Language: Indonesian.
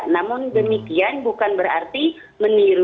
namun demikian bukan berarti meniru